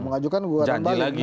mengadukan gugatan balik